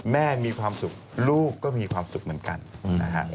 มีความสุขลูกก็มีความสุขเหมือนกันนะฮะ